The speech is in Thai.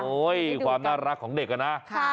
โอ้ยความน่ารักของเด็กนะ